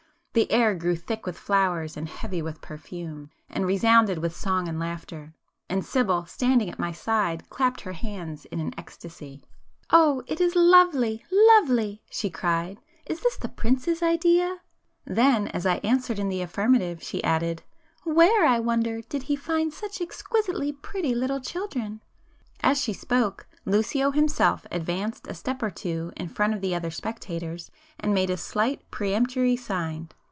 The air grew thick with flowers, and heavy with perfume, and resounded with song and laughter;—and Sibyl, standing at my side, clapped her hands in an ecstasy. "Oh, it is lovely—lovely!" she cried—"Is this the prince's idea?" Then as I answered in the affirmative, she added, "Where, I wonder, did he find such exquisitely pretty little children!" As she spoke, Lucio himself advanced a step or two in front of the other spectators and made a slight peremptory sign.